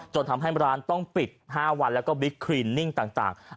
จนทำให้ร้านต้องปิด๕วันแล้วก็บิ๊กคลินนิ่งต่าง